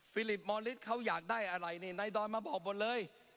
ฟิลิปมอลิสเขาอยากได้อะไรนี่ในดรมาบอกบนเลย